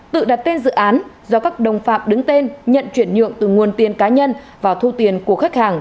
tự đặt tên dự án do các đồng phạm đứng tên nhận chuyển nhượng từ nguồn tiền cá nhân và thu tiền của khách hàng